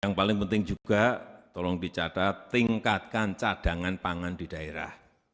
yang paling penting juga tolong dicatat tingkatkan cadangan pangan di daerah